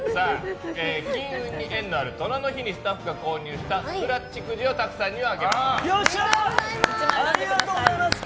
金運に縁のある寅の日にスタッフが購入したスクラッチくじを拓さんにあげます。